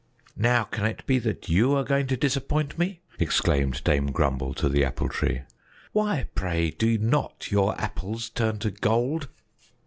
"Now can it be that you are going to disappoint me!" exclaimed Dame Grumble to the Apple Tree. "Why, pray, do not your apples turn to gold?"